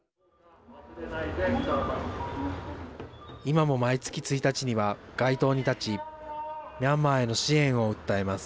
今も毎月１日には街頭に立ちミャンマーへの支援を訴えます。